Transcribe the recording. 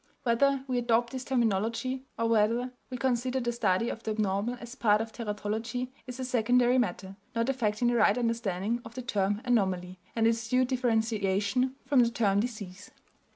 Whether we adopt this terminology, or whether we consider the study of the abnormal as part of teratology, is a secondary matter, not affecting the right understanding of the term "anomaly" and its due differentiation from the term "disease."